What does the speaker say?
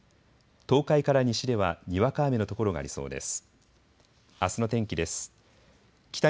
東海から西ではにわか雨の所がありそうです。